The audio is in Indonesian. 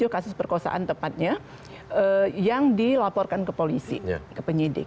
tujuh kasus perkosaan tepatnya yang dilaporkan ke polisi ke penyidik